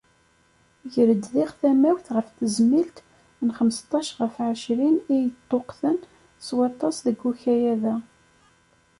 Iger-d diɣ tamawt ɣef tezmilt n xmesṭac ɣef εecrin i yeṭṭuqten s waṭas deg ukayad-a.